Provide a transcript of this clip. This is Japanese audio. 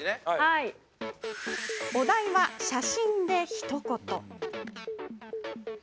お題は、写真でひと言。